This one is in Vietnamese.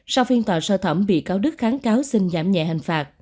sau phiên tòa sơ thẩm bị cáo đức kháng cáo xin giảm nhẹ hình phạt